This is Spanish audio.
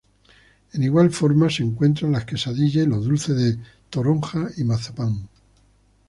En igual forma se encuentran las quesadillas, y los dulces de toronja y mazapán.